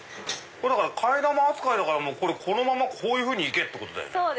替え玉扱いだからこのままこういけ！ってことだよね。